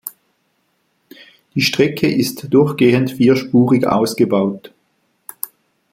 Die Strecke ist durchgehend vierspurig ausgebaut.